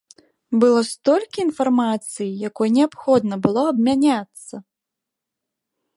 Было столькі інфармацыі, якой неабходна было абмяняцца!